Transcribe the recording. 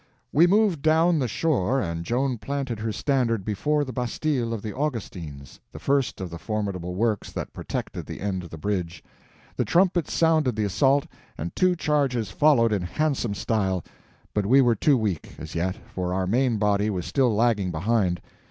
We moved down the shore and Joan planted her standard before the bastille of the Augustins, the first of the formidable works that protected the end of the bridge. The trumpets sounded the assault, and two charges followed in handsome style; but we were too weak, as yet, for our main body was still lagging behind.